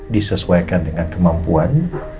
disesuaikan dengan kemampuan